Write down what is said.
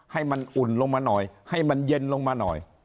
ให้มันอุ่นลงมาหน่อยให้มันเย็นลงมาหน่อย